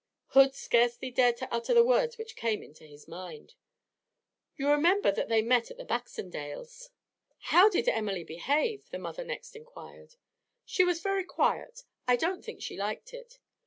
Hood scarcely dared to utter the words which came into his mind. 'You remember that they met at the Baxendales' ' 'How did Emily behave?' the mother next inquired. 'She was very quiet. I don't think she liked it.